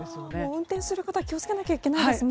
運転する方は気を付けないといけないですね。